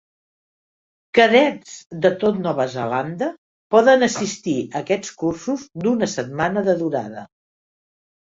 Cadets de tot Nova Zelanda poden assistir a aquests cursos d'una setmana de durada.